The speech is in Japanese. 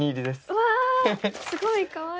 うわすごいかわいい。